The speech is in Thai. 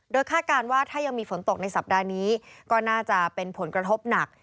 คาดการณ์ว่าถ้ายังมีฝนตกในสัปดาห์นี้ก็น่าจะเป็นผลกระทบหนัก